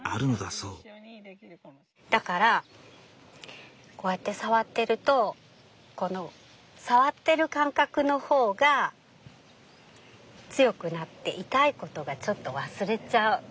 だからこうやって触ってるとこの触ってる感覚の方が強くなって痛いことがちょっと忘れちゃう。